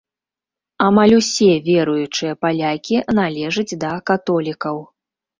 Амаль усе веруючыя палякі належаць да католікаў.